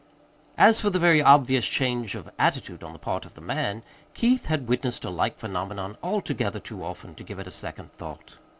As for the very obvious change of attitude on the part of the man Keith had witnessed a like phenomenon altogether too often to give it a second thought.